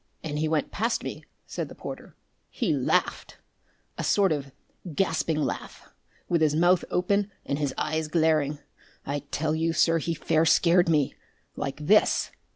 "And as he went past me," said the porter, "he laughed a sort of gasping laugh, with his mouth open and his eyes glaring I tell you, sir, he fair scared me! like this."